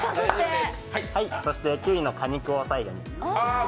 そしてキウイの果肉を最後に。